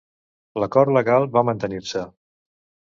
L'acord legal va mantenir-se.